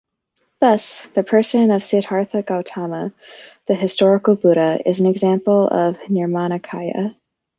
Thus, the person of Siddhartha Gautama, the historical Buddha, is an example of nirmanakaya.